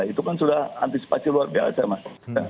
itu kan sudah antisipasi luar biasa mas